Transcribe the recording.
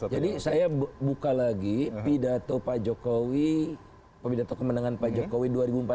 jadi saya buka lagi pidato pak jokowi pidato kemenangan pak jokowi dua ribu empat belas